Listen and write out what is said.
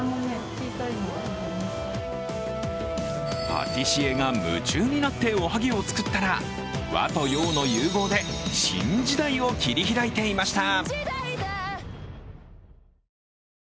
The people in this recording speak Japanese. パティシエが夢中になっておはぎを作ったら和と洋の融合で新時代を切り開いていました。